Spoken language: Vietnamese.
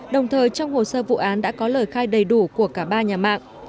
đồng thời trong hồ sơ vụ án đã có lời khai đầy đủ của cả ba nhà mạng